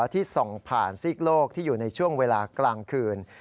ที่ส่องผ่านซีกโลกที่อยู่ในช่วงเวลากลางคืน